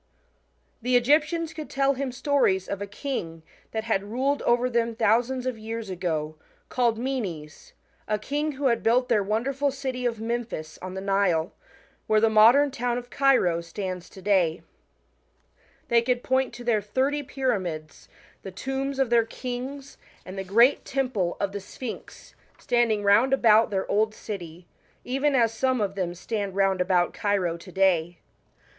The Egyptians could tell him stories of a king, that had ruled over them thousands of years ago, called Menes, a king who had buUt their wonderful city of Memphis on the Nile, where the* modern town of Cairo stands to day. They could point to their thirty pyramids, the tc?mbs of their kings, and the great temple of the WHAT ABBABAM FOUNT) IK EGYPT, Sphinx, landing roond about their old city, even as some of them stand round about Cairo to day.